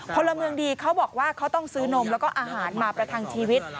พลเมืองดีเขาบอกว่าเขาต้องซื้อนมแล้วก็อาหารมาประทังชีวิต